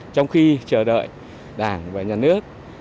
trong khi chờ đợi đảng và nhà nước